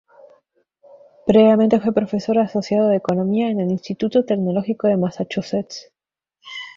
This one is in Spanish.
Previamente fue profesor asociado de economía en el Instituto Tecnológico de Massachusetts.